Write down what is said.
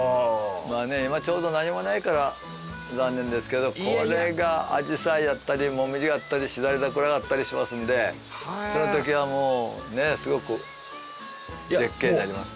まあね今ちょうど何もないから残念ですけどこれがあじさいだったりもみじがあったり枝垂れ桜があったりしますのでその時はもうねすごく絶景になります。